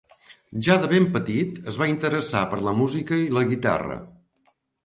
Ja de ben petit es va interessar per la música i la guitarra.